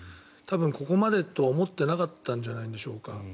多分、ここまでとは思っていなかったんじゃないでしょうか。